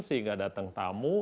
sehingga datang tamu